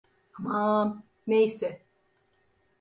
Aman neyse.